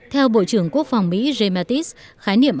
theo bộ trưởng quốc phòng mỹ james mattis